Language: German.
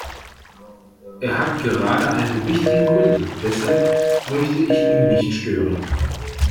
Er hat gerade einen wichtigen Kunden, deshalb möchte ich ihn nicht stören.